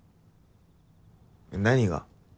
何が？